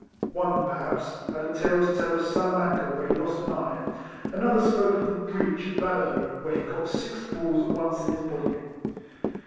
One, perhaps, liad a tale to tell of Salamanca, where lie lost an eye, another spoke of the breach at Badajoz, where he got six balls at once in his body.